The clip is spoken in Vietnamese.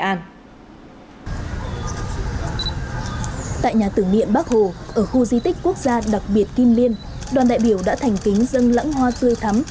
tại nhà tưởng niệm bắc hồ ở khu di tích quốc gia đặc biệt kim liên đoàn đại biểu đã thành kính dân lãng hoa tươi thắm